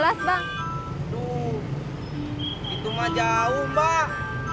aduh itu mah jauh mbak